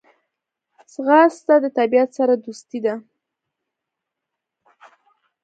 ځغاسته د طبیعت سره دوستي ده